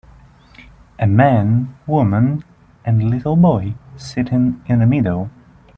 A man woman and little boy sitting in a meadow.